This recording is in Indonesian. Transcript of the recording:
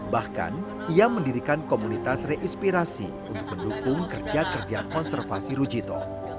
bahkan ia mendirikan komunitas re inspirasi untuk mendukung kerja kerja konservasi rujito